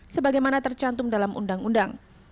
sebagaimana tercantum dalam undang undang